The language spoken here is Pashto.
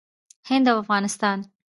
هند او افغانستان